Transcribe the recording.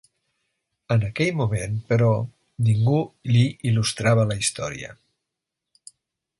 En aquell moment, però, ningú li il·lustrava la història.